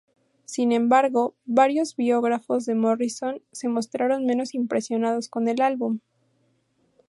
Sin embargo, varios biógrafos de Morrison se mostraron menos impresionados con el álbum.